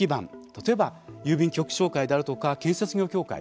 例えば郵便局業界であるとか建設業業界。